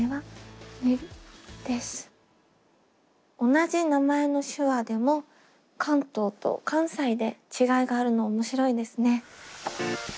同じ名前の手話でも関東と関西で違いがあるの面白いですね。